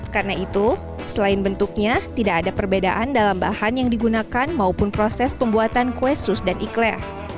karena itu selain bentuknya tidak ada perbedaan dalam bahan yang digunakan maupun proses pembuatan kue sus dan ikhlaq